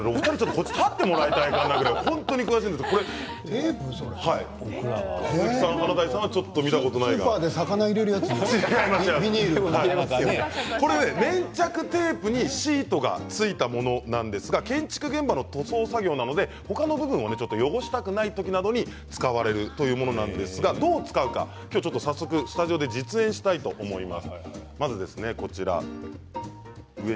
こちらに立ってもらいたいぐらいスーパーで魚入れるやつ粘着テープにシートがついたもので、建築現場の塗装作業などで他の部分を汚したくない時に使われるというものなんですがどう使うのか早速スタジオで実演したいと思います。